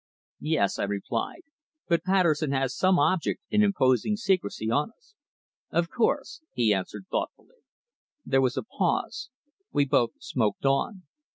"Yes," I replied. "But Patterson has some object in imposing secrecy on us." "Of course," he answered thoughtfully. There was a pause. We both smoked on.